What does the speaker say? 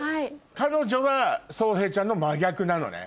彼女は壮平ちゃんの真逆なのね？